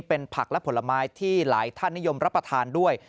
เป็นผักและผลไม้ที่หลายท่านนิยมรับประทานด้วย